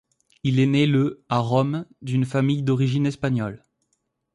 Il est né le à Rome, d'une famille d'origine espagnole.